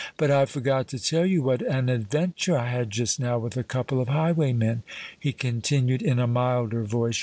"But I forgot to tell you what an adventure I had just now with a couple of highwaymen," he continued in a milder voice.